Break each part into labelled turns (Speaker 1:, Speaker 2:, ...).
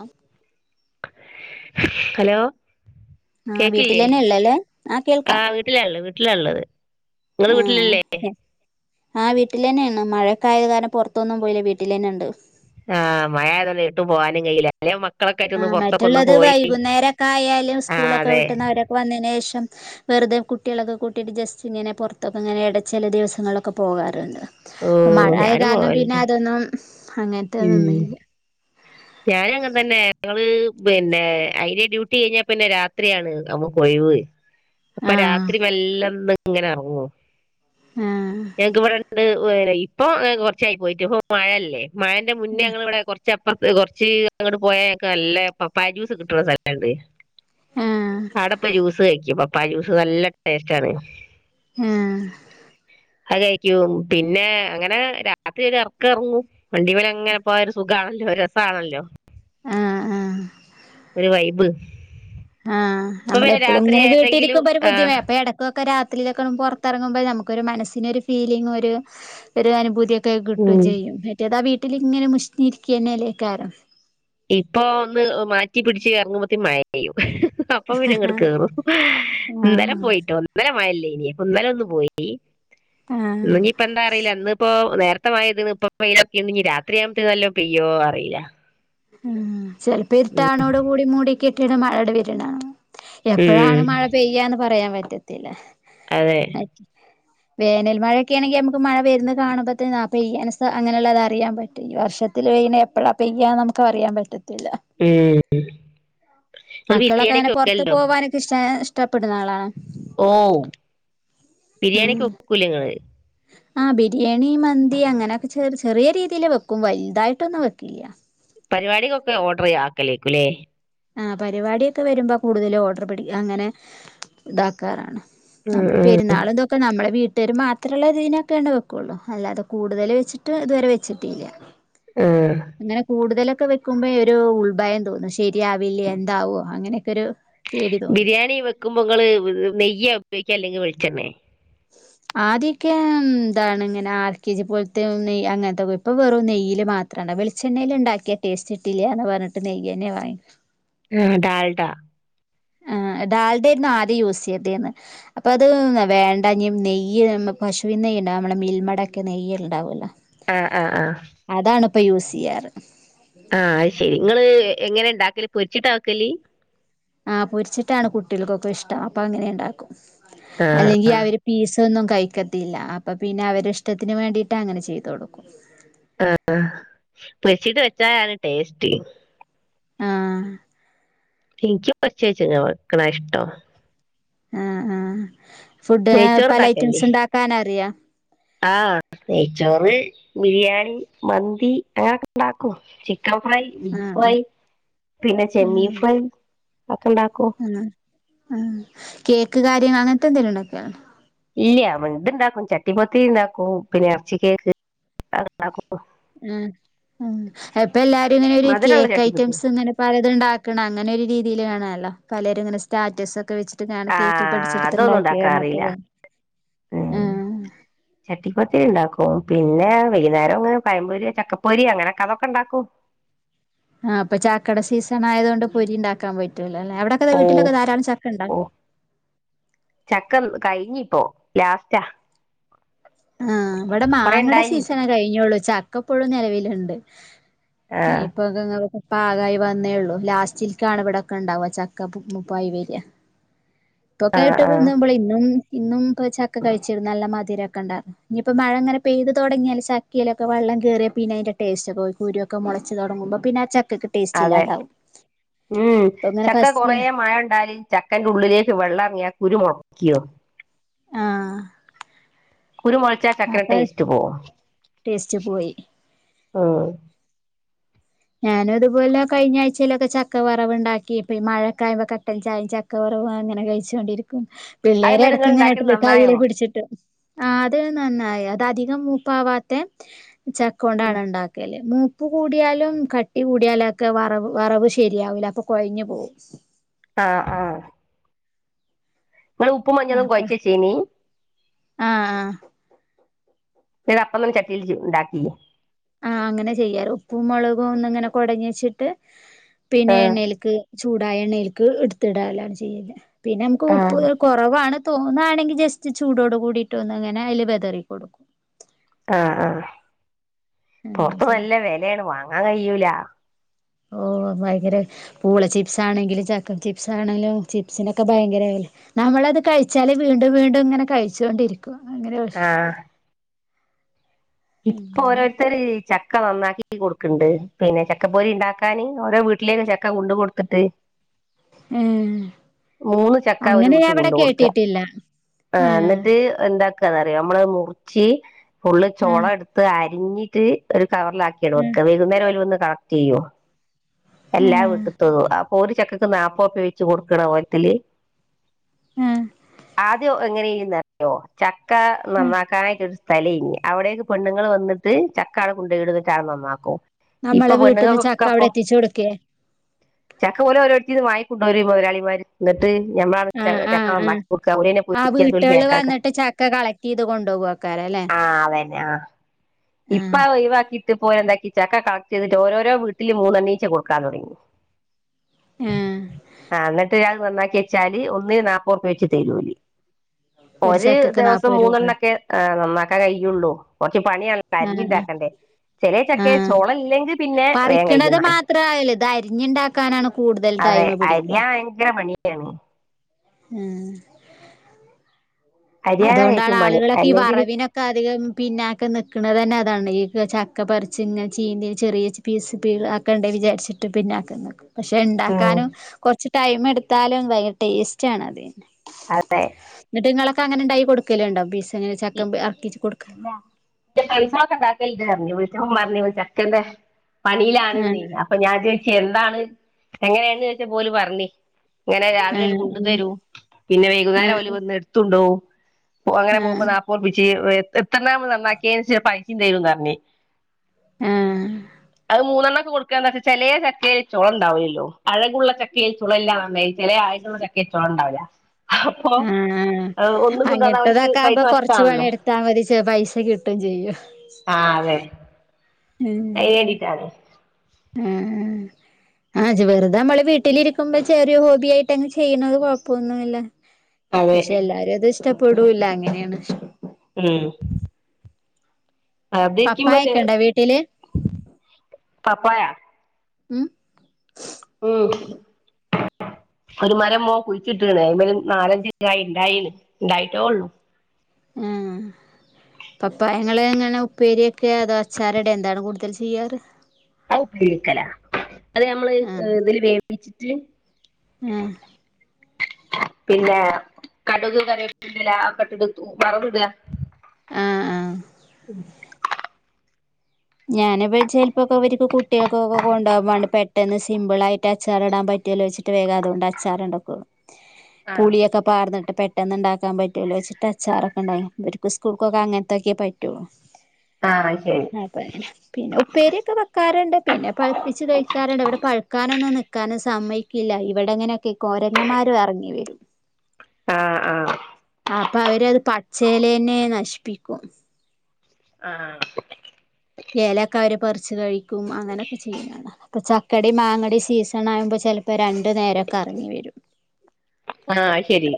Speaker 1: ആം
Speaker 2: hello
Speaker 1: ആഹ്
Speaker 2: കേക്കില്ലേ
Speaker 1: വീട്ടിലെന്നെ ഇള്ളല്ലേ ആഹ്
Speaker 2: ആ
Speaker 1: കേൾക്കാം
Speaker 2: വീട്ടിലാള്ളത് വീട്ടിലള്ളത് നിങ്ങ വീട്ടിലല്ലേ
Speaker 1: വീട്ടിൽ തന്നെയാണ് മഴയൊക്ക ആയത് കാരണം പുറത്തൊന്നും പോയില്ല വീട്ടിൽന്നെ ഉണ്ട്
Speaker 2: ആ മഴ ആയോതോണ്ട് എവിടെത്തും പോവാനും കയില്ലാ
Speaker 1: ആ മറ്റുള്ളത് വൈകുന്നേരൊക്കെ ആയാലും
Speaker 2: ആഹ്
Speaker 1: സ്കൂളൊക്കെ
Speaker 2: അതെ
Speaker 1: വിട്ടുന്നവരൊക്കെ വന്നതിന്ന് ശേഷം വെറുതെ കുട്ടികളൊക്കെ കൂട്ടിയിട്ട് ജസ്റ്റിങ്ങനെ പുറത്തൊക്കെ ഇങ്ങനെ ഇട ചില ദിവസങ്ങളിലൊക്കെ പോകാറുണ്ട്
Speaker 2: ഓ
Speaker 1: അപ്പൊ മഴയാ
Speaker 2: ഞാനും
Speaker 1: കാരണം പിന്നെ
Speaker 2: പോവലുണ്ട്
Speaker 1: അതൊന്നും അങ്ങനത്തെന്നുല്ലാ
Speaker 2: ഞാന് അങ്ങെനെ തന്നെ ഞങ്ങള് പിന്നെ അയിന് ഡ്യൂട്ടി കഴിഞ്ഞാ പിന്നെ രാത്രിയാണ് അ ഒഴിവ്‌ അപ്പൊ
Speaker 1: ആഹ്
Speaker 2: രാത്രി വെല്ലന്ന് ഇങ്ങനെ ഇറങ്ങോ
Speaker 1: ആഹ്
Speaker 2: ഏതു ഇപ്പൊ കുറച്ചായി പോയിട്ട് ഇപ്പ മഴയല്ലേ മഴന്റെ മുന്നേ ഞങ്ങള് ഇവിടെ കുറ കൊറച്ച് അങ്ങോട് പോയക്കെ നല്ല പപ്പായ ജ്യൂസ് കിട്ടുള്ള സ്ഥലണ്ട്
Speaker 1: ആഹ്
Speaker 2: ആടെ പോയ്‌ ജ്യൂസ് കഴിക്കും പപ്പായ ജ്യൂസ് നല്ല ടേസ്റ്റ് ആണ്
Speaker 1: ആ
Speaker 2: അത് കഴിക്കും പിന്നെ അങ്ങനെ രാത്രി ഇറക്കം ഇറങ്ങും വണ്ടി മേല് അങ്ങനെ പോ ഒരു സുഖമാണ് രസമാണല്ലോ
Speaker 1: ആഹ് ആഹ്
Speaker 2: ഒരു വൈബ്
Speaker 1: ആ
Speaker 2: ഇപ്പൊ
Speaker 1: നമ്മള്
Speaker 2: പിന്നെ
Speaker 1: എപ്പോഴും
Speaker 2: രാത്രി
Speaker 1: ഇങ്ങനെ
Speaker 2: ആയിട്ടെങ്കിലും
Speaker 1: വീട്ടിരിക്കുമ്പോൾ ഒരു
Speaker 2: ആ
Speaker 1: ബുദ്ധിമ അപ്പൊ ഇടക്കൊക്കെ രാ ത്രി പൊറത്തിറാങ്ങുമ്പോൾ നമുക്ക് ഒരു മനസിന് ഒരു ഫീലിംഗ് ഒരു അനഭൂതിയെ ക്കെ കിട്ടും
Speaker 2: ഉം.
Speaker 1: ചെയ്യും മറ്റേത് ആ വീട്ടിലിങ്ങനെ മുഷിനിരിക്കന്നെ അല്ലേ കാരണം
Speaker 2: ഇപ്പൊ ഒന്ന് മാറ്റി പിടിച്ച് കറങ്ങുമ്പത്തേ മഴ പെയും അപ്പം പിന്നങ്ങോട്
Speaker 1: ആഹ്
Speaker 2: കേറു ഇന്നേരം
Speaker 1: ആഹ്
Speaker 2: പോയിട്ടോ ഇന്നാലേ മഴയില്ലേ ഇന്നലെ ഒന്ന് പോയി
Speaker 1: ആഹ്
Speaker 2: ഇന്ന് ഇനിപ്പന്താറിയില്ല അന്ന് ഇപ്പോ നേരാ [unintelligible]
Speaker 1: ഉം ചിലപ്പോ ഇരുട്ടാണോട് കൂടി മൂടി കെട്ടിട്ട മഴയുടെ വരണ്ടാണ്
Speaker 2: ഉം
Speaker 1: എപ്പോഴാണ് മഴ പെയ്യാന്ന് പറയാൻ പറ്റത്തില്ല
Speaker 2: അതെ
Speaker 1: വേനൽ മഴൊക്കെ ആണെങ്കിൽ നമുക്ക് മഴ വരുന്ന കാണുമ്പോത്തേന് ആ പെയ്യന്സാ അങ്ങനെയുള്ളത് അറിയാൻ പറ്റും ഈ വർഷത്തില് പെയിനെ എപ്പോഴാ പെയ്യന്ന് അറിയാൻ പറ്റത്തി
Speaker 2: ഉം നിങ്ങള്
Speaker 1: മക്കളൊക്കെ
Speaker 2: ബിരിയാണി
Speaker 1: അങ്ങനെ
Speaker 2: ഒക്കെ
Speaker 1: പുറത്ത്
Speaker 2: വെക്കലുണ്ടോ
Speaker 1: പോവാനൊക്കെ ഇഷ്ട ഇഷ്ടപ്പെടുന്ന ആളാണോ
Speaker 2: ഓ
Speaker 1: ഉം
Speaker 2: ബിരിയാണിയൊക്കെ വെയ്ക്കുല്ലേ ഇങ്ങള്
Speaker 1: ആ ബിരിയാണി മന്തി അങ്ങനെയൊക്കെ ചെറി ചെറിയ രീതിയില് വെക്കും വലുതായിട്ടൊന്നും വെക്കില്ല
Speaker 2: പരിപാടികൊക്കെ ഓർഡറി ആക്കലേക്കുല്ലേ
Speaker 1: ആ പരിപാടിയൊക്കെ വരുമ്പോ കൂടുതൽ ഓർഡർ പിടിക്ക അങ്ങനെ ഇതാക്കാറാണ്
Speaker 2: ഉം
Speaker 1: നമ്മൾ
Speaker 2: ഉം
Speaker 1: പെരുന്നാളും ഇന്തൊക്കെ നമ്മുടെ വീട്ട ട്ടര് മാത്രമുള്ള ഇതിനൊക്കെ വെക്കുള്ളൂ അല്ലാതെ കൂടുതൽ വെച്ചിട്ട് ഇതുവരെ വെച്ചിട്ടില്ല
Speaker 2: ആഹ്
Speaker 1: അങ്ങനെ കൂടുതല് ക്കാ വെക്കുമ്പോ ഒരു ഉൾഭയം തോന്നുന്നു ശരിയാവില്ല എന്താവോ അങ്ങനെയൊക്കെ ഒരു പേടി തോന്നും
Speaker 2: ബിരിയാണി വെക്കുമ്പോ നിങ്ങള് നെയ്യാ ഉപയോഗിക്കാം അല്ലെങ്കിൽ വിളിച്ചെണ്ണെ
Speaker 1: ആദ്യക്കെ ന്താണ് ഇങ്ങനെ ആർ കെ ജി പോലത്തെ നെയ്യ് അങ്ങനത്തെ ഇപ്പൊ വെറും നെയ്യ്ല് മാത്രണ്ട വെളിച്ചെണ്ണയിൽ ഉണ്ടാക്കിയ ടേസ്റ്റ് ഇിട്ടില്ലന്ന് പറഞ്ഞിട്ട് നെയ്യ് തന്നെ വാങ്ങി
Speaker 2: ആ ഡാൾടാ
Speaker 1: ഡാൾഡാ ആയിര്ന്ന് ആദ്യം യൂസ് ചെയ്തിന്നെ അപ്പ അത് വേണ്ട നെയ്യ് പുശു നെയ്യ് ഉണ്ടാ നമ്മുടെ മിൽമാടക്കെ നെയ്യ് ഉണ്ടാവല്ലോ
Speaker 2: ആ ആ ആ
Speaker 1: ഇപ്പാ യൂസ് ചെയ്യാറ്
Speaker 2: ആ അത് ശെരി നിങ്ങള് എങ്ങനെ ഇണ്ടാക്കല് പൊരിച്ചിട്ടാക്കല്
Speaker 1: ആ പൊരിച്ചിട്ടാണ് കുട്ടികൾക്കൊക്കെ ഇഷ്ടം അപ്പൊ അങ്ങനെ ഉണ്ടാക്കും
Speaker 2: ആഹ്
Speaker 1: അല്ലെങ്കി അവര് പീസ് ഇതൊന്നും കഴിക്കത്തില്ല അപ്പം പിന്നെ അവരി ഇഷ്ടത്തിന് വേണ്ടിട്ട് അങ്ങനെ ചെയ്തു കൊടുക്കും
Speaker 2: ആ പൊരിച്ചിട്ട് വെച്ചാലാണ് ടേസ്റ്റ്
Speaker 1: ആ
Speaker 2: എനിക്ക് പൊരിച്ച് വെക്കണ ഇഷ്ടം
Speaker 1: ആ ആഹ ഫുഡി
Speaker 2: നെയ്ച്ചോറ്
Speaker 1: പല ഐറ്റംസ് ഉണ്ടാക്കാന അറിയാ
Speaker 2: ആഹ തെയച്ചോറ് ബിരിയാണി മന്തി അങ്ങനൊക്കെ ഉണ്ടാക്കും ച ഫൈ മീഫൈ
Speaker 1: ആഹ്
Speaker 2: പിന്നെ ചെ മീഫൈ
Speaker 1: ഉ ആ കേക്ക് കാര്യങ്ങൾ അങ്ങനത്തെ എന്തെലും ഉണ്ടാക്കാണ്
Speaker 2: ഇല്ല അവ ഇണ്ട് ഇണ്ടാക്കും ചട്ടിപൊത്തി ഇണ്ടാക്കും പിന്നെ ഇറച്ചി കേക്ക്െണ്ടാക്കും
Speaker 1: ആ അപ്പ എല്ലാരും ഇങ്ങനെ ഒരു
Speaker 2: മധുരമുള്ള
Speaker 1: കേക്ക്
Speaker 2: ചട്ടിപ്പത്തി
Speaker 1: ഐറ്റംസ് ഇങ്ങനെ പലതണ്ടാക്ക ണം അങ്ങനെ ഒരു രീതിയിൽ വണല്ലോ പലര ഇങ്ങനെ സ്റ്റാറ്റസ് ഒക്കെ വെച്ച ഞൻ
Speaker 2: ആ
Speaker 1: കേക്ക്
Speaker 2: അതൊന്നും
Speaker 1: പഠിച്ചെടുത്ത്ണ്ടാക്കിയ
Speaker 2: ഉണ്ടാക്കാൻ
Speaker 1: എന്നൊക്കെ
Speaker 2: അറിയില്ല ഉം
Speaker 1: ആഹ്
Speaker 2: ചട്ടപ്പത്തി ഉണ്ടാക്കും പിന്നെ വൈകുന്നേരം അങ്ങനെ കായംമ്പൊരി ചക്കപ്പൊരി അങ്ങനെയൊക്കെ അതൊക്കെ ഇണ്ടാക്കൂ
Speaker 1: ആഹ അപ്പൊ ചാക്കട സീസൺ ആയത കൊൊണ്ട് പൊരി ഉണ്ടാക്കാൻ പറ്റൂല്ലോ
Speaker 2: ഓ ഓ ചക്കൻ കഴിഞ്ഞി അപ്പോ ലാസ്റ്റാ
Speaker 1: ആഹ ഇവിടെ
Speaker 2: കൊറേ
Speaker 1: മാങ്ങയുടെ
Speaker 2: ഉണ്ടായി
Speaker 1: സീസണ കഴിഞ്ഞോുള്ളു ചക്കപ്പുഴ നിലവൽുണ്ട്
Speaker 2: ആ
Speaker 1: ഇപ്പൊക്കെ പാകമായി വന്നേള്ളൂ ലാസ്റ്റിൽക്കാണ് ഇവിടൊക്കെ ഇണ്ടാവ ചക്ക മുപ്പായി വരിയ ഇപ്പൊ
Speaker 2: ആ ആ
Speaker 1: കേട്ട്്പള ഇന്നും ഇന്നും ഇപ്പൊ ചക്ക കഴിച്ചിരുന്നു നല്ല മതിരൊക്കെണ്ടാ ഇനിയിപ്പോൊ മഴ അങ്ങനെ പെയ്തു തുടങ്ങിയാ ചക്കിയിലൊക്കെ വെം കയറിയ പിന്നെ അതിന്റെടസ്റ്റ് ഒക്കെയി കുരുയ ഒക്കെ മുളച്ച്ങ്ങ തുടങ്ങുമ്പ പിന്നെ ആ ചക്കക്ക് ടേസ്റ്റ്
Speaker 2: അതെ
Speaker 1: ഇല്ലാണ്ടാവും
Speaker 2: ഉം
Speaker 1: ഇപ്പ ഇങ്ങനെ
Speaker 2: ചക്ക
Speaker 1: ഫസ്റ്റില്
Speaker 2: കൊറെേ മഴ ഉണ്ടാലും ചക്കന്റെ ഉള്ളിലേക്ക് വെള്ളം ഇറങ്ങിയ ഒരുരു മുടക്കിയോ
Speaker 1: ആഹ്
Speaker 2: കുരുമുളിച്ചാ ചക്ര
Speaker 1: അപ്പൊ
Speaker 2: ടേസ്റ്റ് പോവാ
Speaker 1: ടേസ്റ്റ് പോയി
Speaker 2: ഉം
Speaker 1: ഞാനും ഇതുപോലെ കഴിഞ്ഞ ആഴ്ചയിലൊക്കെ ചക്കവറവ ഉണ്ടാക്കി ഇപ്പൊ മഴക്കൊയ്പോ കെട്ടൻ ചായ ചക്കവറവ് അങ്ങനെ കഴിച്ചോണ്ടിരിക്കും
Speaker 2: അത് എന്നിട്ട്
Speaker 1: പിള്ളേരെടക്ക
Speaker 2: നിങ്ങൾ ഉണ്ടാക്കിയത്
Speaker 1: ഇങ്ങനെ്
Speaker 2: നന്നായോ
Speaker 1: കൈയില പിടിച്ചിട്ട് ആ അത് നന്നായി അത് അധികം മൂപ്പാവാത്ത ചക്ക
Speaker 2: ഉം
Speaker 1: കൊണ്ടാണ് ഉണ്ടാക്കിയല്ലേ മൂപ്പ ഉപ്പ് കൂടിയാലും കട്ടി കൂടിയാല ഒക്കെ വറവ് വറവ് ശരിയാവൂല അപ്പൊ കൊഴഞ്ഞു പോകവും
Speaker 2: ആ ആ മ ഉപ്പ് മഞ്ഞളും കുഴച്ച ചീനി
Speaker 1: ആഹ ആഹ
Speaker 2: ഇട അപ്പന്നും ചട്ടിൽ ഉണ്ടാക്കി
Speaker 1: ആഹ അങ്ങനെ ചെയ്യാറ് ഉപ്പും മുളകും ഒന്നും ഇങ്ങനെ കൊടഞ്ഞ വെച്ചിട്ട് പിന്നെ
Speaker 2: ആ
Speaker 1: എണ്ണൽക്ക് ചൂടായ എണ്ണൽക്ക് എടുത്തിടാനാണ് ചെയ്യല് പിന്നെ നമുക്ക്
Speaker 2: ആ
Speaker 1: ഉപ്പ് കുറവാണ് തോന്നുകയാണെങ്കിൽ ജസ്റ്റ് ചൂടോട് കൂടിയിട്ട് ഒന്ന് അങ്ങനെ അതില് വിതറിൊടുക്കും
Speaker 2: ആഹ ആഹ
Speaker 1: അങ്ങനെ
Speaker 2: പുൊറത്ത്
Speaker 1: ചെയ്യാം
Speaker 2: നല്ല വിലയാണ് വാങ്ങാൻ കഴിയൂല
Speaker 1: ഓ ഭയങ്കര പൂള ചിപ്സ് ആണെങ്കിലും ചക്ക ചിപ്സ് ആണെങ്കിലും ചിപ്സിനൊക്കെ ഭയങ്കരല്ല വെല നമ്മളത് കഴിച്ചാല് വീണ്ടും വീണ്ടും ഇങ്ങനെ കഴിച്ചോണ്ടിരിക്ക്
Speaker 2: ആഹ് ഇപ്പൊ ഓരോരുത്തര് ചക്ക് ചക്ക നന്നാക്കി കൊടുക്കണ്ട് പിന്നെ ചക്ക പൊരി ഇണ്ടാക്കാന് ഓരോ വീട്ടിലേക്ക് ചക്ക കൊണ്ട് കൊടുത്തിട്ട്
Speaker 1: ഏഹ്
Speaker 2: മൂന്ന് ചക്ക ഒരു
Speaker 1: അങ്ങനെ
Speaker 2: വീട്ട്
Speaker 1: ഞാൻ ഇവിടെ
Speaker 2: കൊണ്ടു കൊടുക്കാ
Speaker 1: കേട്ടിട്ടില്ല
Speaker 2: ആ
Speaker 1: ഏഹ്
Speaker 2: എന്നിട്ട് എന്താ [unintelligible] നമ്മളത് മുറിച്ച് ഫുള്ള് ചൊള
Speaker 1: ആഹ്
Speaker 2: എടുത്ത് അരിഞ്ഞിട്ട് ഒരു കവറിലാക്കി ആടെ
Speaker 1: ആഹ്
Speaker 2: വെക്കാ വൈകുന്നേരം ഓല് വന്ന് കളക്റ്റ് ചെയ്യും എല്ലാ വീട്ടുത്തതും ഒരു ചക്കക്ക് നാപ്പറുപ്പ്യ വെച്ച് കൊടുക്കണ [unintelligible]
Speaker 1: ആഹ്
Speaker 2: ആദ്യം എങ്ങനെയേനുന്നറിയോ ചക്ക
Speaker 1: ആഹ്
Speaker 2: നന്നാക്കാനായിട്ട് ഒര് സ്ഥലേനി അവിടേക്ക് പെണ്ണ്ങ്ങൾ വന്നിട്ട് ചക്കാ ആടെ കൊണ്ടോയിടും എന്നിട്ട് നന്നാക്കും ഇപ്പൊ
Speaker 1: നമ്മളെ വീട്ടിന്ന് ചക്ക
Speaker 2: പെണ്ണുങ്ങൾക്കൊക്കെപ്പൊ
Speaker 1: അവിടെ എത്തിച്ചു കൊടുക്കേ
Speaker 2: ചക്ക ഓല് ഓരോരുത്തീന്ന് വാങ്ങ് കൊണ്ടൊരി മുതലാളിമാര് എന്നിട്ട് ഞമ്മളാണ്
Speaker 1: ആ
Speaker 2: ചക്ക
Speaker 1: ആഹ്
Speaker 2: നന്നാക്കി കൊടുക്കുക ഓരന്നെ
Speaker 1: ആ ആ
Speaker 2: പൊരിക്ക അതോല്
Speaker 1: വീട്ടേള്
Speaker 2: പാക്കാക്ക
Speaker 1: വന്നിട്ട് ചക്ക കളക്ട് ചെയ്ത് കൊണ്ടുപോകവാക്കാലെ ലേ
Speaker 2: ആഹ് ആഹ് ഇപ്പ അത് ഒഴിവാക്കി ന്നിട്ട് ഇപ്പം ഓല് എന്തെയ്‌ത് ചക്ക കളക്ട് ചെയ്തിട്ട് ഓരോരോ വീട്ടില് മൂന്നെണ്ണീച്ച കൊടുക്കാൻ തുടങ്ങി
Speaker 1: ആഹ്
Speaker 2: ആഹ് എന്നിട്ട് അത് നന്നാക്കി വെച്ചാല് ഒന്നിന് നാപ്പറുപ്പ്യാ വെച്ച് തെരുവോല് ഒരു
Speaker 1: ചക്കക്ക്
Speaker 2: ദിവസം
Speaker 1: നാപ്പത് രൂപ
Speaker 2: മൂന്നെണ്ണൊക്കെ ആ നന്നാക്കാൻ കഴിയുള്ളൂ കൊറ [unintelligible] പണിയാണ് അരിഞ്ഞ്
Speaker 1: ആഹ്
Speaker 2: ഇണ്ടാക്കണ്ടേ ചെലേ ചക്കേ
Speaker 1: ആഹ്
Speaker 2: ചൊള ഇല്ലെങ്കിൽ പിന്നെ വേഗം
Speaker 1: പറിക്കണത്
Speaker 2: കഴിക്കുന്നാല്
Speaker 1: മാത്രായാലും ഇത് അരിഞ്ഞുണ്ടാക്കാനാണ് കൂടുതൽ
Speaker 2: അതെ
Speaker 1: ടൈം
Speaker 2: അരിയാൻ ഭയങ്കര പണിയാണ്
Speaker 1: ഉം
Speaker 2: അരിയാനാ
Speaker 1: അതുകൊണ്ടാണ്
Speaker 2: ഏറ്റവും പണി
Speaker 1: ആളുകളൊക്കെ ഈ
Speaker 2: അല്ലെങ്കിൽ
Speaker 1: വറവിനൊക്കെ അധികം പിന്നാക്കം നിക്കണത് തന്നെ അതാണ് ഈ ചക്ക പറിച്ച് ഇങ്ങനെ ചീന്തി ചെറിയ പീസ് പീ ആക്കണ്ടെ വിചാരിച്ചിട്ട് പിന്നാക്കം നിക്കും പക്ഷെ
Speaker 2: ഉം
Speaker 1: ഇണ്ടാക്കാനും കൊറച്ച് ടൈം എടുത്താലും ഭയങ്കര ടേസ്റ്റ് ആണ് അത് തന്നെ
Speaker 2: അതെ
Speaker 1: ഉണ്ടായി കൊടുക്കലുണ്ടോ [unintelligible] ചക്ക ഇങ്ങനെ ഇറക്കിച്ച് കൊടു
Speaker 2: [unintelligible] ഇണ്ടാക്കല്ണ്ട് പറഞ്ഞ് വിളിച്ചപ്പോ പറഞ്ഞ് ചക്കേൻ്റെ പണിയിലാണ്ന്നേ
Speaker 1: ആഹ്
Speaker 2: അപ്പൊ ഞാൻ ചോദിച്ച് എന്താണ് എങ്ങനെയാണ് ചോദിച്ചപ്പോ ഓല് പറഞ്ഞ് ഇങ്ങനെ രാവിലെ ഓല്
Speaker 1: ആഹ്
Speaker 2: കൊണ്ടു തരും പിന്നെ വൈകുന്നേരം
Speaker 1: ആഹ്
Speaker 2: ഓല് വന്ന് എടുത്തു കൊണ്ടോവും അങ്ങനെ
Speaker 1: ആഹ്
Speaker 2: പോകുമ്പോ നാപ്പോർപ്പിച്ച് എ എത്രണ്ണാ മ്മള് നന്നാക്കിയേന്ന്ച്ചാ പൈസയും തെരുന്ന് പറഞ്ഞ്
Speaker 1: ആഹ്
Speaker 2: അത് മൂന്നണ്ണൊക്കെ കൊടുക്കാന്ന് വെച്ചാ ചെലേ ചക്കേല് പൊള ഉണ്ടാവൂല്ലല്ലോ അഴകുള്ള ചക്കയിൽ ചുളയില്ലാന്ന് പറഞ്ഞ മാതിരി ചില ആഴകുള്ള ചക്കയിൽ ചുള ഉണ്ടാവില്ല അപ്പൊ
Speaker 1: ആഹ്
Speaker 2: ഒന്നു കൊണ്ട് വന്നാ ഓലിക്ക്
Speaker 1: അങ്ങനത്തതൊക്കെ
Speaker 2: പൈസ
Speaker 1: ആകുമ്പോ കൊറച്ച്
Speaker 2: നഷ്ടാവു അല്ലോ
Speaker 1: പണിയെടുത്താൽ [unintelligible] പൈസ കിട്ടും ചെയ്യും ഉം
Speaker 2: അയ്ന് വേണ്ടിട്ടാണ്
Speaker 1: ആഹ് ആഹ് ജ് വെറുതെ നമ്മള് വീട്ടിലിരിക്കുമ്പോ ചെറിയൊരു ഹോബി ആയിട്ട് അങ്ങ് ചെയ്യണത് കൊഴപ്പമൊന്നുമില്ല
Speaker 2: അതെ
Speaker 1: പക്ഷെ എല്ലാരും അത് ഇഷ്ടപ്പെടൂല്ല അങ്ങനെയാണ്
Speaker 2: ഉം അതിരിക്കുമ്പോ
Speaker 1: പപ്പായൊക്കെ ഉണ്ടോ വീട്ടില്
Speaker 2: പപ്പായ
Speaker 1: ഉം
Speaker 2: ഉം ഒരു മരം മോൻ കുഴിച്ചീട്ട്ണ് അയിമില് നാലഞ്ച് കായ് ഉണ്ടായിന് ഉണ്ടായിട്ടേള്ളു
Speaker 1: ഏഹ് പപ്പായ ഇങ്ങള് എങ്ങനെ ഉപ്പേരി വെക്കെ അതോ അച്ചാറ്ടെ എന്താണ് കൂടുതൽ ചെയ്യാറ്
Speaker 2: അത് ഉപ്പേരി വെക്കലാ അത് ഞമ്മള് ഇതില് വേവിച്ചിട്ട്
Speaker 1: ആ
Speaker 2: പിന്നെ കടുക് കറിവേപ്പിൻ്റെല ആ ഒക്കെ ഇട്ടിട്ട് വറവിടാ
Speaker 1: ആഹ് ആഹ്
Speaker 2: ഉം [unintelligible]
Speaker 1: ഞാന് ഇ ചിലപ്പൊക്കെ അവര്ക്ക് കുട്ടിയാകൊക്കെ കൊണ്ടോവാൻ വാണ്ടി പെ ട്ടന്ന് സിമ്പിൾ ആയിട്ട് അച്ചാർടാ പറ്റോലോച്ച്ട്ട് വേഗം അതോണ്ട് അച്ചാറ് ണ്ടാക്കും
Speaker 2: ആഹ്
Speaker 1: പുളിയൊക്കെ പാർന്ന് പെട്ടെന്ന് ണ്ടാക്കാൻ പറ്റോലോച്ച്ട്ട് അച്ചാറൊകെ ഉണ്ടായ്ന്ന് ഇവര്ക്ക് സ്കൂൾക്കൊക്കെ അങ്ങൻത്തൊക്കെ പറ്റോള്ളൂ
Speaker 2: ആഹ് ശരി
Speaker 1: [unintelligible] പിന്നെ ഉപ്പേരിയൊക്കെ വെക്കാറ്ണ്ട് പിന്നെ പഴുപ്പിച്ച് കഴിക്കാറ്ണ്ട് ഇവിടെ പഴുക്കാനൊ ന്ന് നിക്കാൻ സമ്മയ്ക്കില്ല ഇവിടെ അങ്ങനൊക്കെ കൊരങ്ങമാരും ഇറങ്ങി വരും
Speaker 2: ആഹ് ആഹ്
Speaker 1: അപ്പൊ അവരത് പച്ചേലേന്നെ നശിപ്പിക്കും
Speaker 2: ആഹ്
Speaker 1: എലൊക്കെ അവര് പറിച്ച് കഴിക്കും അങ്ങനെയൊക്കെ ചെയ്യുന്നാണ് അപ്പൊ ചക്കടി മാങ്ങടി സീസൺ ആകുമ്പോ ചെലപ്പോ രണ്ടു നേരൊക്കെ അറങ്ങി വരും
Speaker 2: ആഹ് അയ്ശരി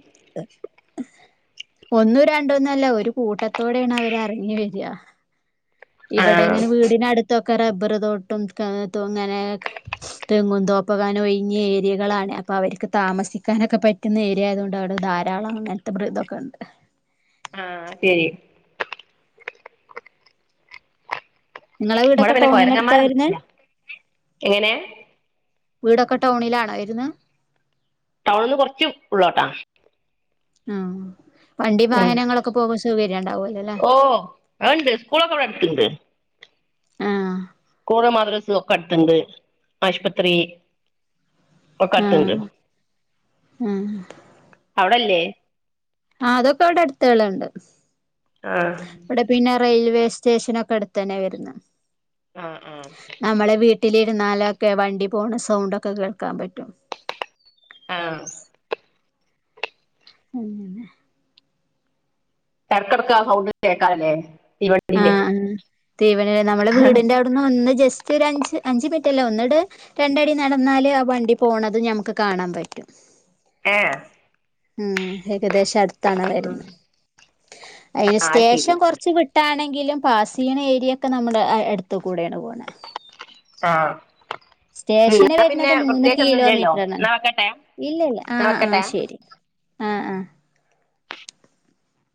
Speaker 1: ഒന്നും രണ്ടൊന്നും അല്ല ഒരു കൂട്ടത്തോടെയാണ് അവര്റങ്ങി വര ഇവിടെ
Speaker 2: ആഹ്
Speaker 1: എങ്ങനെ വീടിനടുത്തൊക്കെ റബ്ബർ തോട്ടും ങ്ങനെ തെങ്ങും തോ പ്പകാനോ ഒഴിഞ്ഞ ഏരിയകളാണെ അപ്പ അവർക്ക് താമസിക്കാനൊക്കെ പറ്റുന്ന ഏരിയായതോണ്ട് അവിടെ ധാരാളം നെ മറ്റ പ്ര ഇതൊക്കെ ഉണ്ട്
Speaker 2: ആഹ് ശരി
Speaker 1: നിങ്ങളെ
Speaker 2: ഇവിടെ
Speaker 1: വീടൊക്കെ
Speaker 2: പിന്നെ
Speaker 1: ടൗണിനടുത്താ വരുന്നെ
Speaker 2: കൊരങ്ങന്മാരൊന്നുല്ല എങ്ങനെ
Speaker 1: വീടൊക്കെ ടൗണിലാണോ വരുന്ന
Speaker 2: ടൗണ് ന്ന് കുറച്ച് ഉള്ളോട്ടാ
Speaker 1: ആഹ് വണ്ടി
Speaker 2: ഉം
Speaker 1: വാഹനങ്ങളൊക്കെ പോകു സൗകര്യം ഉണ്ടാവല്ലോല്ലേ
Speaker 2: ഓ അത്ണ്ട് സ്കൂളൊക്കെ ഇവിടെ അടുത്തുണ്ട് കൂള്, മാദ് റസ്, ഒക്കെ അടുത്തുണ്ട് ആശുപത്രി ഒക്ക അട്ത്തുണ്ട്
Speaker 1: ആഹ് ആഹ്
Speaker 2: അവിടല്ലേ
Speaker 1: ആ അതൊക്കെ അവിടെ അടുത്തേള്ണ്ട്.
Speaker 2: ആഹ്
Speaker 1: ഇവിടെ പിന്നെ റെയിൽവേ സ് റ്റേഷനൊക്കെ അടുത്തന്നെ വരുന്നെ
Speaker 2: ആ ആ
Speaker 1: വീട്ടിലിരുന്നാലൊക്കെ വണ്ടി പോണ സൗണ്ടൊക്കെ കേൾക്കാൻ പറ്റും
Speaker 2: ആഹ്
Speaker 1: അങ്ങനെ
Speaker 2: ഇടക്കെടക്ക് ആ സൗണ്ട് കേക്കാല്ലേ
Speaker 1: ആ
Speaker 2: തീവണ്ടീന്റെ
Speaker 1: തീവന്ലെ നമ്മെളെ വീടിന്റെ അവിടുന്ന് ഒന്ന് ജസ്റ്റ് ഒരു അഞ്ച് അഞ്ച് മിനി ട്ടില്ല ഒന്നട് രണ്ടടി നടന്നാല് ആ വണ്ടി പോണതും ഞമ്മക്ക് കാണാൻ പറ്റും
Speaker 2: ഏഹ്
Speaker 1: ഉം ഏകദേശം അടുത്താണ്
Speaker 2: ഉം
Speaker 1: വരുന്നത് അയ്ന്
Speaker 2: ആഹ്
Speaker 1: സ്റ്റേഷൻ
Speaker 2: ശരി
Speaker 1: കൊറച്ച് വി ട്ടാണെങ്കിലും പാസെയ്യ്ണ ഏരിയൊക്കെ നമ്മുടെ ആ എടുത്ത് കൂടെണ് പോണെ
Speaker 2: ആഹ്
Speaker 1: സ്റ്റേഷന്
Speaker 2: എന്നാ പിന്നെ
Speaker 1: വരുന്നത്
Speaker 2: പ്രത്യേകിച്ച് ഒന്നുല്ലല്ലോ എന്നാ വെക്കട്ടെ
Speaker 1: ഇല്ല ഇല്ല
Speaker 2: ന്നാ
Speaker 1: ആഹ് ആഹ്
Speaker 2: വെക്കട്ടെ
Speaker 1: ശരി ആഹ് ആഹ്